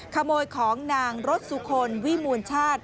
ขโมยของนางรสสุคลวิมูลชาติ